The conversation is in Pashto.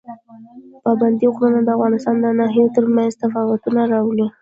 پابندي غرونه د افغانستان د ناحیو ترمنځ تفاوتونه راولي.